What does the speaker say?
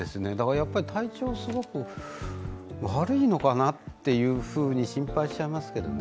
やっぱり体調がすごく悪いのかなと心配しちゃいますけどね。